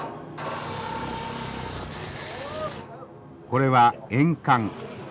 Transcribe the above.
これは煙管。